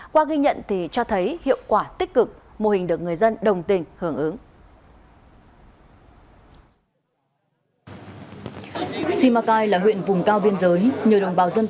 qua ghi nhận thì cho thấy hiệu quả tích cực mô hình được người dân đồng tình hưởng ứng